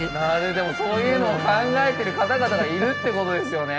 でもそういうのを考えてる方々がいるってことですよね。